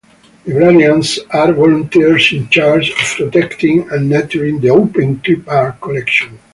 Librarians are volunteers in charge of protecting and nurturing the Open Clipart collection.